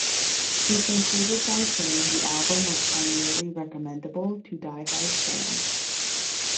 He concluded by saying the album was primarily recommendable to die hard fans.